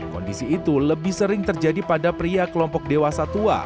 kondisi itu lebih sering terjadi pada pria kelompok dewasa tua